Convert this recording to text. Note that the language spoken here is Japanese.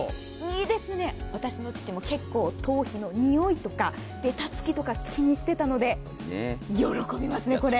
いいですね、私の父も結構頭皮の臭いとかべたつきとか気にしてたので、喜びますね、これ。